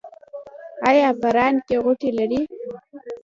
ایا په ران کې غوټې لرئ؟